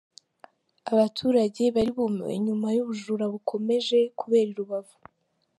Abaturage bari bumiwe nyuma y'ubujura bukomeje kubera i Rubavu.